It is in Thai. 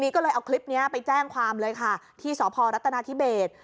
ก็เลยเอาคลิปนี้ไปแจ้งความเลยค่ะที่สพรัฐนาธิเบส